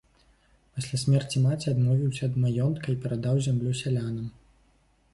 Пасля смерці маці адмовіўся ад маёнтка і перадаў зямлю сялянам.